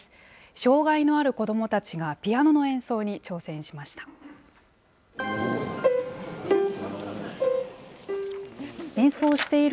障害のある子どもたちがピアノの演奏に挑戦しました。